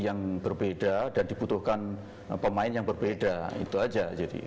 yang berbeda dan dibutuhkan pemain yang berbeda itu aja